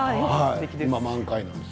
今、満開なんです。